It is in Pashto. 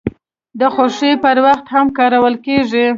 د خوښۍ پر وخت هم کارول کیږي.